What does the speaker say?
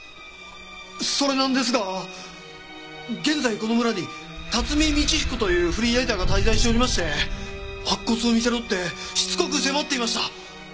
それなんですが現在この村に辰巳通彦というフリーライターが滞在しておりまして白骨を見せろってしつこく迫っていました。